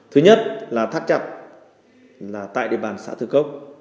thứ nhất là thắt chặt là tại địa bàn xã thư cốc